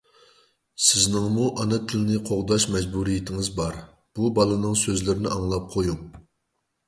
سىزنىڭمۇ ئانا تىلنى قوغداش مەجبۇرىيىتىڭىز بار. بۇ بالىنىڭ سۆزلىرىنى ئاڭلاپ قويۇڭ.